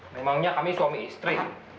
memangnya kami suami istri